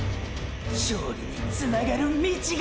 勝利につながる道が！！